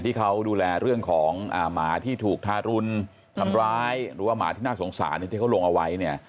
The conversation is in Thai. ที่เขาดูแลเรื่องของหมาที่ถูกทารุณทำร้ายหรือว่าหมาที่น่าสงสารที่เขาลงเอาไว้เนี่ย